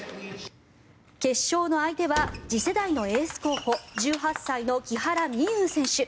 決勝の相手は次世代のエース候補１８歳の木原美悠選手。